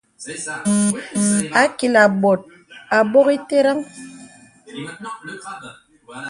Ākilā bòt ābok itə̀rən.